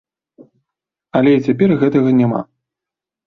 Але і цяпер гэтага няма.